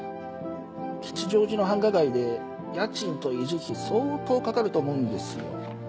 吉祥寺の繁華街で家賃と維持費相当かかると思うんですよ。